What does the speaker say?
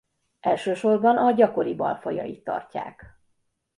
Elsősorban a gyakoribb alfajait tartják.